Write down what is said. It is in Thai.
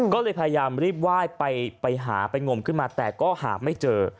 ก็เลยพยายามรีบไหว้ไปหาไปงมขึ้นมาแต่ก็หาไม่เจอ